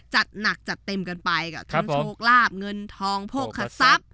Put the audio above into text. จัดหนักจัดเต็มกันไปกับทั้งโชคราบเงินท้องพวกขสับ